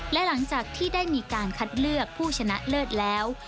และหลังจากที่ได้มีการคัดเลือกผู้ชนะเลิศแล้ว